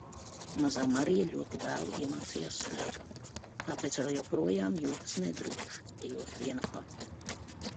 Mazā Marija ļoti vēlu iemācījās staigāt, tāpēc vēl joprojām jūtas nedroši, ejot viena pati.